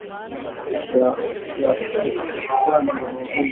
ukiukwaji mwingine wa haki akimtaka Raisi Yoweri Museveni